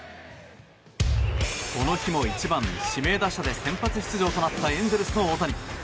この日も１番指名打者で先発出場となったエンゼルスの大谷。